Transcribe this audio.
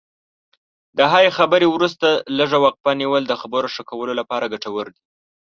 د هرې خبرې وروسته لږه وقفه نیول د خبرو ښه کولو لپاره ګټور دي.